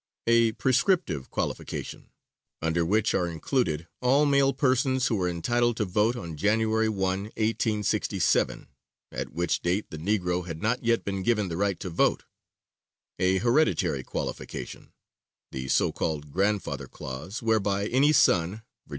a prescriptive qualification, under which are included all male persons who were entitled to vote on January 1, 1867, at which date the Negro had not yet been given the right to vote; a hereditary qualification, (the so called "grandfather" clause), whereby any son (Va.)